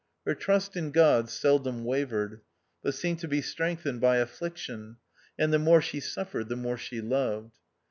Her trust in God seldom wavered, but seemed to be strengthened by affliction, and the more she suffered the more she loved.